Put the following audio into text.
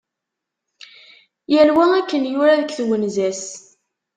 Yal wa akken yura deg twenza-s.